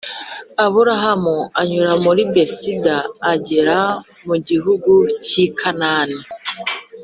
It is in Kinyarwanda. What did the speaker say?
Aburamu anyura muri Besida agera mu gihugu cy’i Kanani